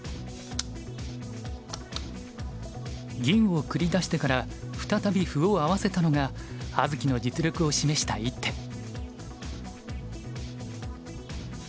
銀を繰り出してから再び歩を合わせたのが葉月の実力を示した一手。